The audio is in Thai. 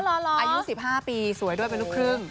อายุ๑๕ปีสวยด้วยเป็นลูกครึ่ง